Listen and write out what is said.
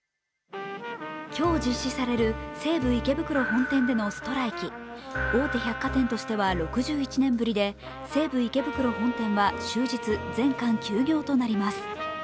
今日実施される西武池袋本店でのストライキ大手百貨店としては６１年ぶりで西武池袋本店は終日、全館休業となります。